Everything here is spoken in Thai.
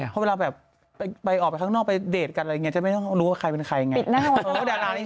เพราะเวลาแบบไปออกกับออกไปเรื่องเตรียมอะไรอย่างนี้